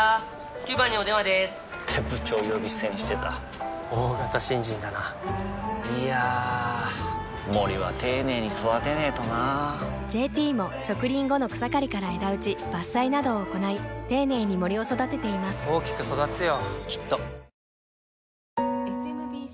９番にお電話でーす！って部長呼び捨てにしてた大型新人だないやー森は丁寧に育てないとな「ＪＴ」も植林後の草刈りから枝打ち伐採などを行い丁寧に森を育てています大きく育つよ